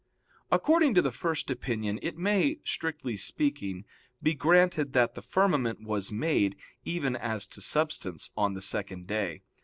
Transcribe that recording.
According to the first opinion, it may, strictly speaking, be granted that the firmament was made, even as to substance, on the second day.